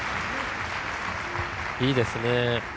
いいですね。